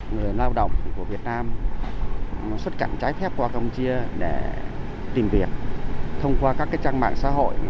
người lao động của việt nam xuất cảnh trái phép qua campuchia để tìm việc thông qua các trang mạng xã hội